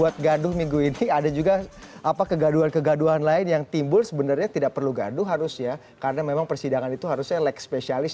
tapi juga di tataran masyarakat